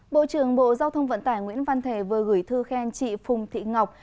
bộ trưởng bộ giao thông vận tải nguyễn văn thể vừa gửi thư khen chị phùng thị ngọc